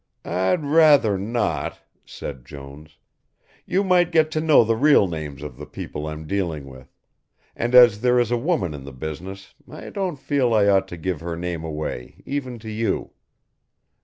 "I'd rather not," said Jones. "You might get to know the real names of the people I'm dealing with, and as there is a woman in the business I don't feel I ought to give her name away even to you.